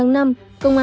ngày tám tháng năm